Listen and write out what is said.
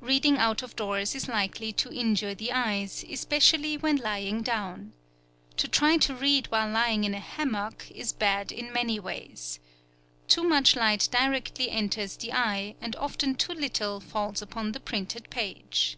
Reading out of doors is likely to injure the eyes, especially when lying down. To try to read while lying in a hammock is bad in many ways. Too much light directly enters the eye, and often too little falls upon the printed page.